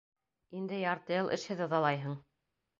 Инде ярты йыл эшһеҙ ыҙалайһың.